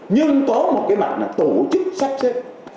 nhưng có một cái mặt là tổ chức sắp xếp